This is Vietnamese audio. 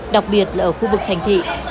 đặc biệt là ở khu vực thành thị